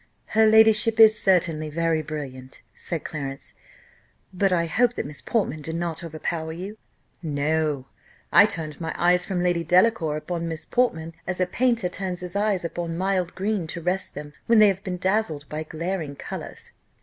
"Her ladyship is certainly very brilliant," said Clarence, "but I hope that Miss Portman did not overpower you." "No I turned my eyes from Lady Delacour upon Miss Portman, as a painter turns his eyes upon mild green, to rest them, when they have been dazzled by glaring colours.